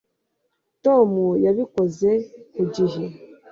Tom yabikoze ku gihe